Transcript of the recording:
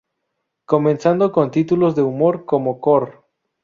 Comenzando con títulos de humor como "Cor!!